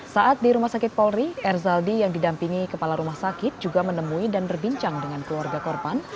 saat di rumah sakit polri erzaldi yang didampingi kepala rumah sakit juga menemui dan berbincang dengan keluarga korban